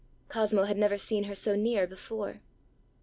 Cosmo had never seen her so near before.